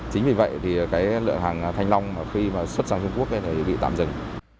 chính vì vậy lượng hàng thanh long khi xuất sang trung quốc bị tạm dừng